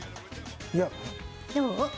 いや。どう？